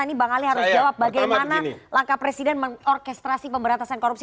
ini bang ali harus jawab bagaimana langkah presiden mengorkestrasi pemberantasan korupsi